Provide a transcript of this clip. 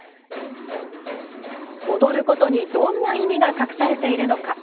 踊ることにどんな意味が隠されているのか？